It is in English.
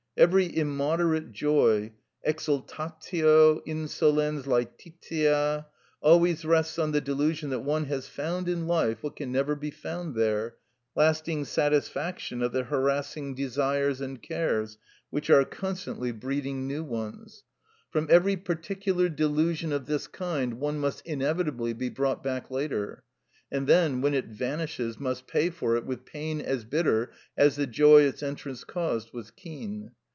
Every immoderate joy (exultatio, insolens lætitia) always rests on the delusion that one has found in life what can never be found there—lasting satisfaction of the harassing desires and cares, which are constantly breeding new ones. From every particular delusion of this kind one must inevitably be brought back later, and then when it vanishes must pay for it with pain as bitter as the joy its entrance caused was keen.